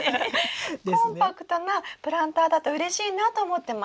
コンパクトなプランターだとうれしいなと思ってました。